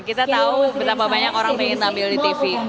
kita tahu betapa banyak orang pengen ambil di tv